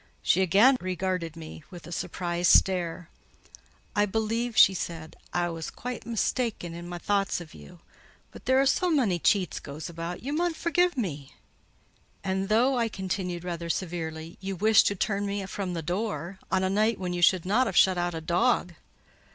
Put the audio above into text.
She again regarded me with a surprised stare. "I believe," she said, "I was quite mista'en in my thoughts of you: but there is so mony cheats goes about, you mun forgie me." "And though," I continued, rather severely, "you wished to turn me from the door, on a night when you should not have shut out a dog."